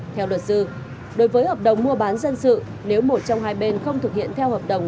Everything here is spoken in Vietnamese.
theo luật sư đối với hợp đồng mua bán dân sự nếu một trong hai bên không thực hiện theo hợp đồng